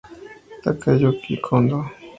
Takayuki Kondo